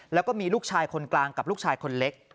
แล้วก็มีลูกชายคนกลางกับลูกชายคนเล็ก